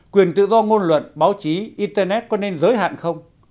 quyền tự do ngôn luận báo chí internet có nên giới hạn không